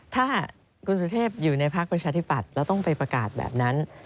ถ้าคุณสุเทพอยู่ในพักประชาธิปัตย์เราต้องไปประกาศแบบนั้น